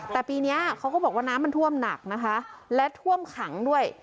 แต่ปีนี้เขาก็บอกว่าน้ำมันท่วมหนักนะคะและท่วมขังด้วย